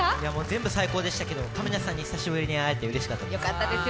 全部最高でしたけど、亀梨さんに久しぶりに会えてよかったです。